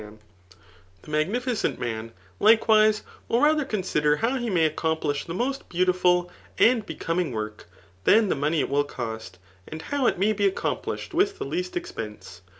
. 125 man* The magnificent man, likewise, will rather consi der how be may accomplish the most beautiful and be coming work, than the money it will cost, and how it may be accomplished with the least expense.